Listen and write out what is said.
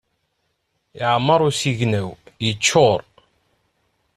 Iɛemmer usigna-w, yeččur.